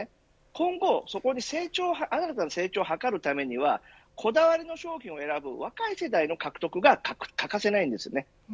今後、そこに新たな成長を図るためにはこだわりの商品を選ぶ若い世代の獲得が欠かせないんですね。